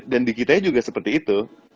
dan dikitanya juga seperti itu